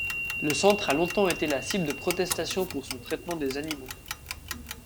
Le centre a longtemps été la cible de protestation pour son traitement des animaux.